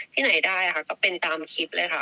ที่ไหนได้ค่ะก็เป็นตามคลิปเลยค่ะ